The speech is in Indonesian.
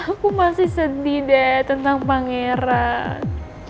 aku masih sedih deh tentang pangeran